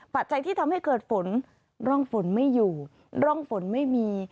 ปัจจัยที่ทำให้เกิดฝนร่องฝนไม่อยู่ร่องฝนไม่มี